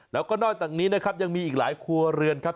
แล้วก็นอกจากนี้นะครับยังมีอีกหลายครัวเรือนครับ